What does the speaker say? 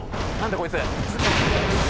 こいつ。